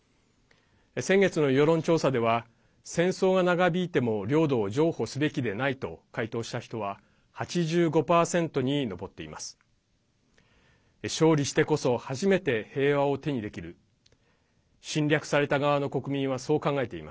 先月の世論調査では戦争が長引いても領土を譲歩すべきでないと回答した人は８５％に上っています。